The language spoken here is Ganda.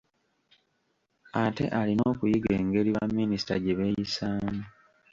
Ate alina okuyiga engeri baminisita gye beeyisaamu.